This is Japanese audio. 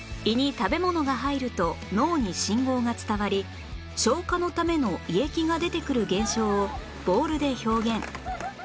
胃に食べ物が入ると脳に信号が伝わり消化のための胃液が出てくる現象をボールで表現